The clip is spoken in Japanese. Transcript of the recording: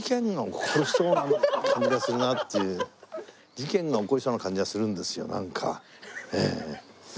事件が起こりそうな感じがするんですよなんか。